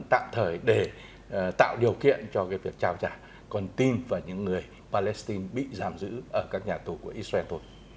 vẫn tạm thời để tạo điều kiện cho cái việc trao trả con tin vào những người palestine bị giảm giữ ở các nhà tù của israel thôi